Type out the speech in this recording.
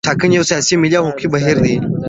ټاکنې یو سیاسي، ملي او حقوقي بهیر دی.